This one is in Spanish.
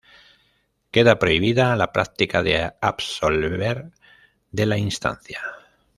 Queda prohibida la práctica de absolver de la instancia".